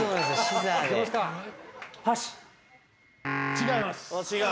違います。